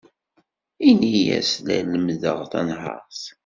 Ini-as la lemmdeɣ tanhaṛt.